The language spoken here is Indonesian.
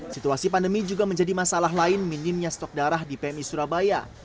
situasi pandemi juga menjadi masalah lain minimnya stok darah di pmi surabaya